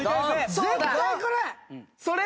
絶対これ！